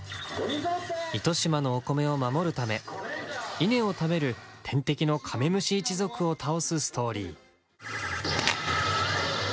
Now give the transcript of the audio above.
糸島のお米を守るため稲を食べる天敵のカメムシ一族を倒すストーリー。